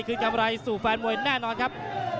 คือกำไรสู่แฟนมวยแน่นอนครับ